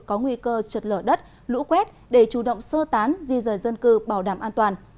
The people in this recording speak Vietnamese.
có nguy cơ trượt lở đất lũ quét để chủ động sơ tán di rời dân cư bảo đảm an toàn